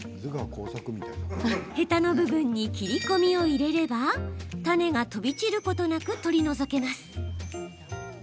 ヘタの部分に切り込みを入れればタネが飛び散ることなく取り除けます。